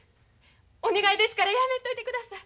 お願いですからやめんといてください。